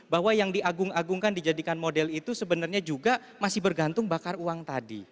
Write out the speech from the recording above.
bahwa yang diagung agungkan dijadikan model itu sebenarnya juga masih bergantung bakar uang tadi